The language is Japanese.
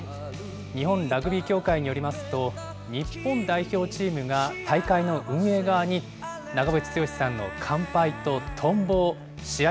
日本ラグビー協会によりますと、日本代表チームが大会の運営側に、長渕剛さんの乾杯ととんぼを試合